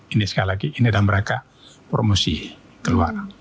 ini sekali lagi ini dalam rangka promosi keluar